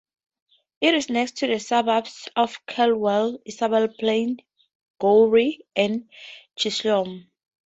It is next to the suburbs of Calwell, Isabella Plains, Gowrie and Chisholm.